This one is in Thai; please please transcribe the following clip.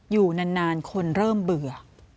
อยู่นานคนเริ่มเบื่อ